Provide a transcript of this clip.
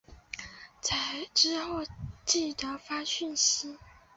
之后记得发讯息